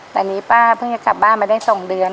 ตอนนี้ป้าเพิ่งจะกลับบ้านมาได้๒เดือน